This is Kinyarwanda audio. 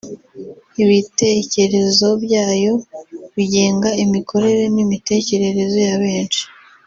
ibitekerezo byayo bigenga imikorere n’imitekerereze ya benshi